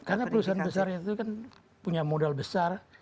karena perusahaan besar itu kan punya modal besar